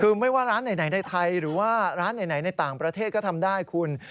คือไม่ว่าร้านไหนในไทยหรือว่าร้านไหนในต่างประเทศก็ทำได้คุณ